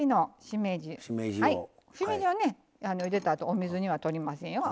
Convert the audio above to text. しめじをねゆでたあとお水にはとりませんよ。